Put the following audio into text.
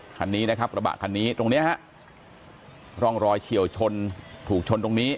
คันนี้นะครับกระบะคันนี้ตรงเนี้ยฮะร่องรอยเฉียวชนถูกชนตรงนี้